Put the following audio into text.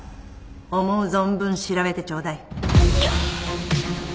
思う存分調べてちょうだい。